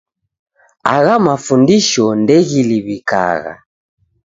Agha mafundisho ndeghiliw'ikagha